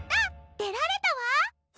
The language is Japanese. でられたわ！